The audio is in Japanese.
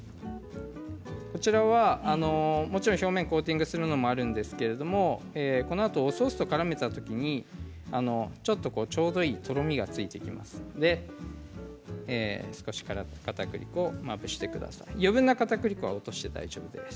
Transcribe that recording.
こちらは、もちろん表面をコーティングするのもあるんですけれどこのあとソースとからめた時にちょっと、ちょうどいいとろみがついてきますので少しかたくり粉をまぶしていきます。